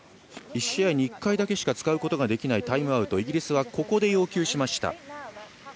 １試合に１回だけしか使えないタイムアウトをイギリスはここで要求しました。